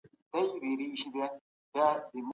ګاونډی هیواد نظامي اډه نه جوړوي.